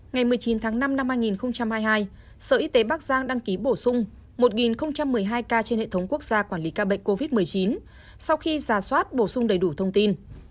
ngày một mươi chín tháng năm năm hai nghìn hai mươi hai sở y tế bắc giang đăng ký bổ sung một một mươi hai ca trên hệ thống quốc gia quản lý ca bệnh covid một mươi chín sau khi giả soát bổ sung đầy đủ thông tin